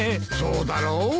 そうだろう？